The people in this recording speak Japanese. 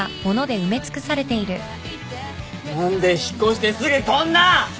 何で引っ越してすぐこんな！